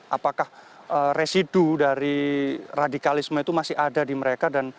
apakah residu dari radikalisme itu masih ada di mereka